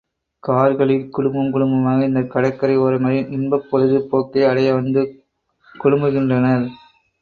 கார்களில் குடும்பம் குடும்பமாக இந்தக் கடற்கரை ஓரங்களில் இன்பப் பொழுது போக்கை அடைய வந்து குழுமுகின்றனர்.